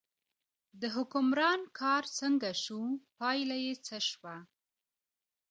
د حکمران کار څنګه شو، پایله یې څه شوه.